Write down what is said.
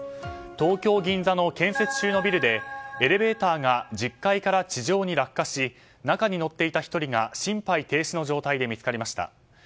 東京・銀座の建設中のビルでエレベーターが１０階から地上に落下し中に乗っていた１人が心肺停止の状態で見つかりました。